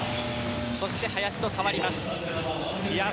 そして林と代わります。